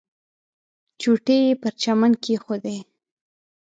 چوټې یې پر چمن کېښودې.